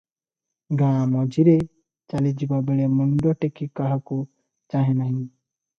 ଗାଁ’ ମଝିରେ ଚାଲିଯିବା ବେଳେ ମୁଣ୍ଡ ଟେକି କାହାକୁ ଚାହେଁ ନାହିଁ ।